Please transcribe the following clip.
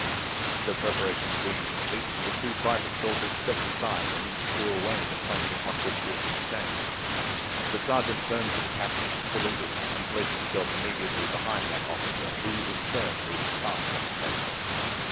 The preparations being complete, the two private soldiers stepped aside and each drew away the plank upon which he had been standing. The sergeant turned to the captain, saluted and placed himself immediately behind that officer, who in turn moved apart one pace.